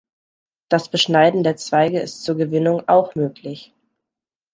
Das Beschneiden der Zweige ist zur Gewinnung auch möglich.